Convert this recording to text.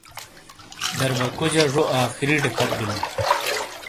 درباکوجا جو آخریٹے فت بیلو